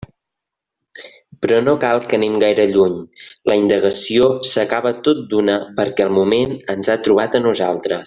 Però no cal que anem gaire lluny, la indagació s'acaba tot d'una perquè el moment ens ha trobat a nosaltres.